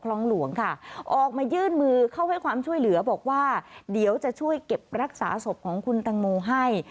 คลองหลวงค่ะออกมายื่นมือเข้าให้ความช่วยเหลือบอกว่าเดี๋ยวจะช่วยเก็บรักษาศพของคุณตังโมให้